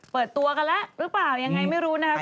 เปิดตัวกันแล้วหรือเปล่ายังไงไม่รู้นะครับ